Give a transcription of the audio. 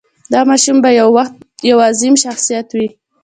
دا ماشوم به یو وخت یو عظیم شخصیت وي.